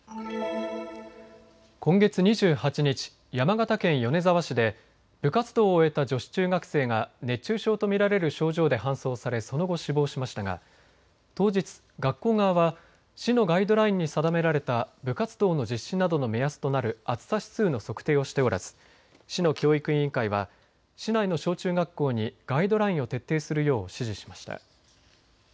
今月２８日、山形県米沢市で部活動を終えた女子中学生が熱中症と見られる症状で搬送されその後、死亡しましたが当日、学校側は市のガイドラインに定められた部活動の実施などの目安となる暑さ指数の測定をしておらず市の教育委員会は市内の小中学校にガイドラインを徹底するよう指示しました。